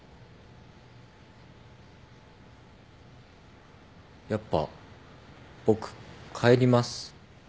やっぱ僕帰ります。